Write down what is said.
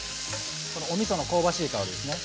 おみその香ばしい香りですね。